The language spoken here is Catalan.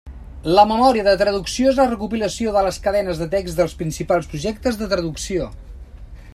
La memòria de traducció és la recopilació de les cadenes de text dels principals projectes de traducció.